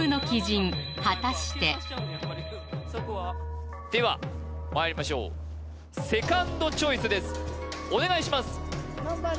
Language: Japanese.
はいではまいりましょうセカンドチョイスですお願いします